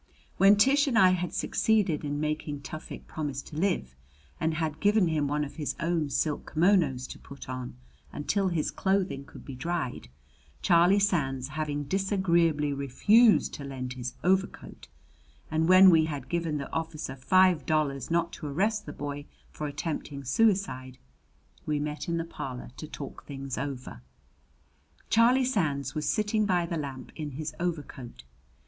When Tish and I had succeeded in making Tufik promise to live, and had given him one of his own silk kimonos to put on until his clothing could be dried Charlie Sands having disagreeably refused to lend his overcoat and when we had given the officer five dollars not to arrest the boy for attempting suicide, we met in the parlor to talk things over. Charlie Sands was sitting by the lamp in his overcoat.